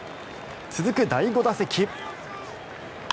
続く第５打席。